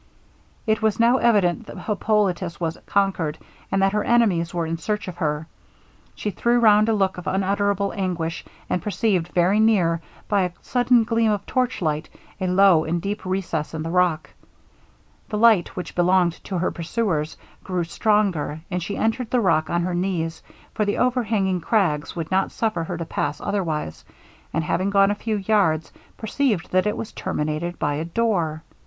It was now evident that Hippolitus was conquered, and that her enemies were in search of her. She threw round a look of unutterable anguish, and perceived very near, by a sudden gleam of torchlight, a low and deep recess in the rock. The light which belonged to her pursuers, grew stronger; and she entered the rock on her knees, for the overhanging craggs would not suffer her to pass otherwise; and having gone a few yards, perceived that it was terminated by a door.